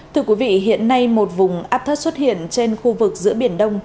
thưa quý vị hiện nay một vùng áp thấp xuất hiện trên khu vực giữa biển đông